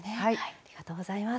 ありがとうございます。